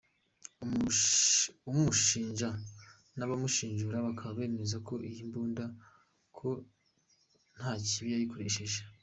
Abamushinja n’abamushinjura bakaba bemeza ko iyi mbunda nta kibi yayikoresheje.